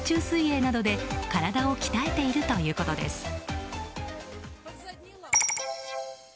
水泳などで体を鍛えているということです。